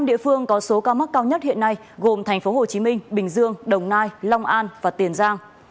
năm địa phương có số ca mắc cao nhất hiện nay gồm thành phố hồ chí minh bình dương đồng nai long an và tiền giang